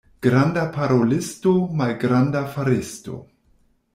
Granda parolisto, malgranda faristo.